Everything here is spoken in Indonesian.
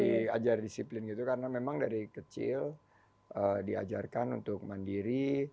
diajar disiplin gitu karena memang dari kecil diajarkan untuk mandiri